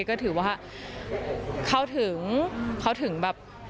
ก็ถือว่าเข้าถึงเข้าถึงแบบ